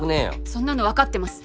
そんなのわかってます。